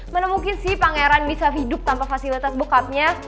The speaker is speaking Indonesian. mana mungkin sih pangeran bisa hidup tanpa fasilitas bokapnya